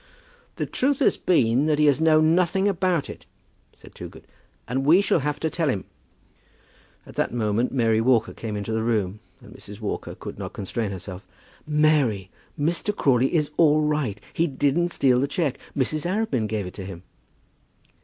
"The truth has been that he has known nothing about it," said Toogood; "and we shall have to tell him." At that moment Mary Walker came into the room, and Mrs. Walker could not constrain herself. "Mary, Mr. Crawley is all right. He didn't steal the cheque. Mrs. Arabin gave it to him."